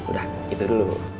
udah gitu dulu